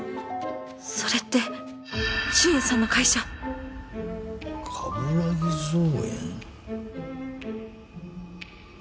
それって俊也さんの会社！鏑木造園。